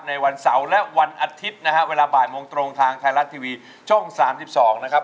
ในวันเสาร์และวันอาทิตย์น่ะนะฮะเวลา๓๐๐จงโชค๓๒นะครับ